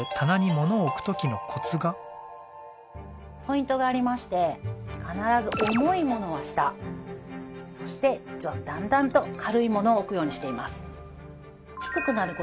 そしてポイントがありまして必ず重い物は下そしてうちはだんだんと軽い物を置くようにしています。